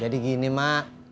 jadi gini mbak